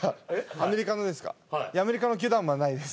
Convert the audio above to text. アメリカの球団はまだないです。